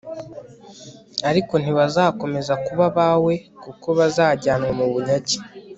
ariko ntibazakomeza kuba abawe kuko bazajyanwa mu bunyage